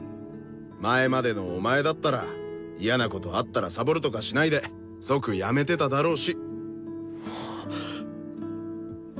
前までのお前だったら嫌なことあったらサボるとかしないで即辞めてただろうし。